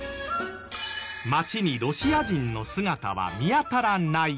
街にロシア人の姿は見当たらない。